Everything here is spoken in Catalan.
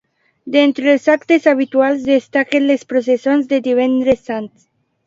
D'entre els actes habituals destaquen les processons de Divendres Sant.